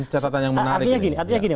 catatan yang menarik ini